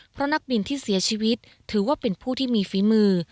เพราะนักบินที่เสียชีวิตถือว่าเป็นผู้ที่มีฝีมือ